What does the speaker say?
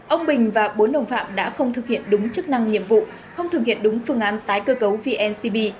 ông bình và bốn đồng phạm đã không thực hiện đúng chức năng nhiệm vụ không thực hiện đúng phương án tái cơ cấu vncb